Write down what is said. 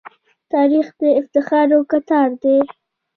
تاریخ د افتخارو کتار دی.